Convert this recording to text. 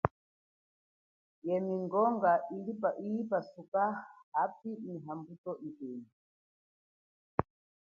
Ye mingongi iyi tatuka haminde ni mbuto yipema.